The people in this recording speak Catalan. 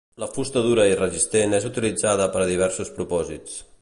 La fusta dura i resistent és utilitzada per a diversos propòsits.